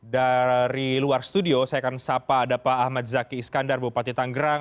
dari luar studio saya akan sapa ada pak ahmad zaki iskandar bupati tanggerang